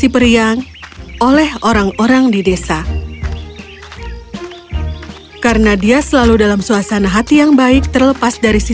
pergi memancing ya